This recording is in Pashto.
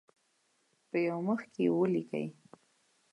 په یو مخ کې یې ولیکئ.